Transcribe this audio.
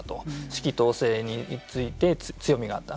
指揮統制について強みがあった。